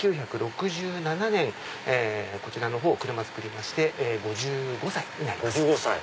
１９６７年こちらのほう車造りまして５５歳になります。